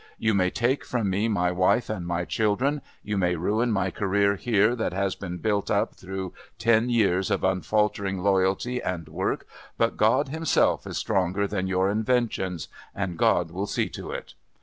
You may take from me my wife and my children, you may ruin my career here that has been built up through ten years of unfaltering loyalty and work, but God Himself is stronger than your inventions and God will see to it.